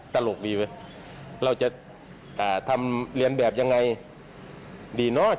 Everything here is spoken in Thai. ตลกดีเว้ยเราจะอ่าทำเรียนแบบยังไงดีเนอะ